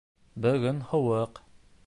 Бөгөн һыуыҡ